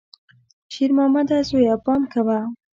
شېرمامده زویه، پام کوه!